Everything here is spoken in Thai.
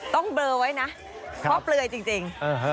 เบลอไว้นะเพราะเปลือยจริง